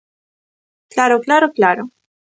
¡Claro, claro, claro!